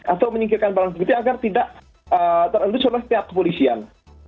atau menyingkirkan barang bukti agar tidak terendus oleh setiap kepolisian